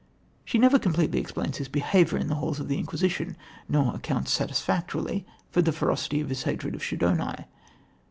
She never completely explains his behaviour in the halls of the Inquisition nor accounts satisfactorily for the ferocity of his hatred of Schedoni.